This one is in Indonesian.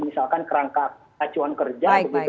misalkan kerangka acuan kerja